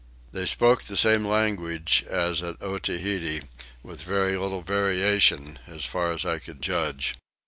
They spoke the same language as at Otaheite, with very little variation as far as I could judge.